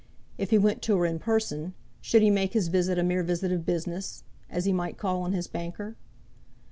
If he went to her in person, should he make his visit a mere visit of business, as he might call on his banker?